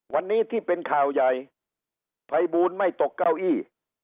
วันนี้ที่เป็นข่าวใหญ่ภัยบูลไม่ตกเก้าอี้